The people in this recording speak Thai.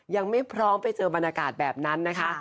ยังไม่พร้อมไปเจอบรรยากาศแบบนั้นนะคะ